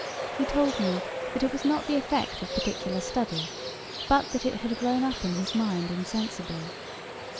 He told me, that 'it was not the effect of particular study; but that it had grown up in his mind insensibly.'